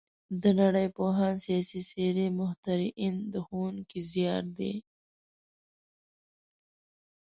د نړۍ پوهان، سیاسي څېرې، مخترعین د ښوونکي زیار دی.